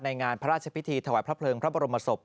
งานพระราชพิธีถวายพระเพลิงพระบรมศพ